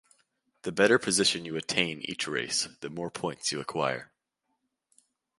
The better position you attain each race, the more points you acquire.